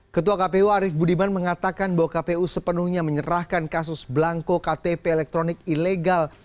ketua kpu arief budiman mengatakan bahwa kpu sepenuhnya menyerahkan kasus belangko ktp elektronik ilegal